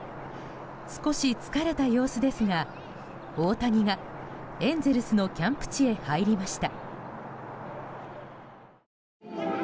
少し疲れた様子ですが大谷がエンゼルスのキャンプ地へ入りました。